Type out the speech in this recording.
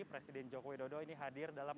presiden jokowi dodo ini hadir dalam